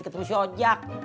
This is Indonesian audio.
ketemu si ojak